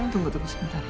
tunggu tunggu sebentar ya